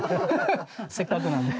せっかくなんで。